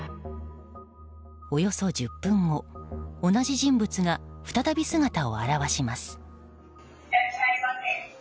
およそ１０分後同じ人物が再び姿を現します。